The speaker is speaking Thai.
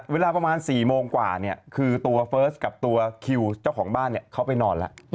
เวลาประมาณ๔โมงกว่าเนี่ยคือตัวเฟิร์สกับตัวคิวเจ้าของบ้านเขาไปนอนแล้ว